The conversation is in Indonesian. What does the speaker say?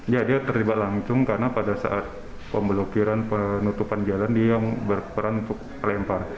ya dia terlibat langsung karena pada saat pemblokiran penutupan jalan dia berperan untuk pelempar